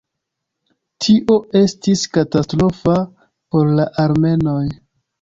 Tio estis katastrofa por la armenoj.